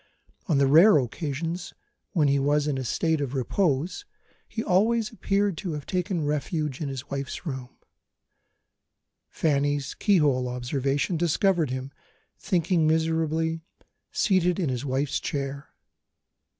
On the rare occasions when he was in a state of repose, he always appeared to have taken refuge in his wife's room; Fanny's keyhole observation discovered him, thinking miserably, seated in his wife's chair.